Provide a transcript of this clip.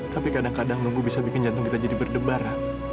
tapi kadang kadang nunggu bisa bikin jantung kita jadi berdebar